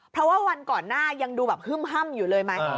เพราะว่าวันก่อนหน้ายังดูแบบฮึ่มอยู่เลยไหม